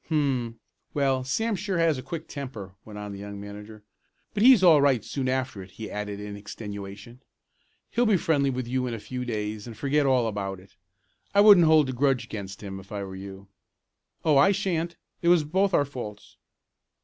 "Hum! Well, Sam sure has a quick temper," went on the young manager. "But he's all right soon after it," he added in extenuation. "He'll be friendly with you in a few days and forget all about it. I wouldn't hold a grudge against him, if I were you." "Oh, I shan't. It was both our faults."